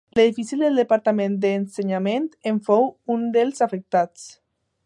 L'edifici del Departament d'Ensenyament en fou un dels afectats.